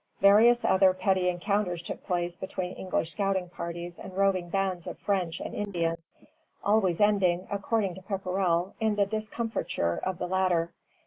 Various other petty encounters took place between English scouting parties and roving bands of French and Indians, always ending, according to Pepperrell, in the discomfiture of the latter.